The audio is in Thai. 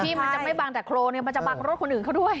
มันจะไม่บังแต่โครนมันจะบังรถคนอื่นเขาด้วย